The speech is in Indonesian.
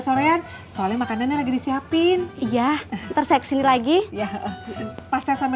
sorean soalnya makanannya jadi siapin ya terseksi lagi ya pastel cmr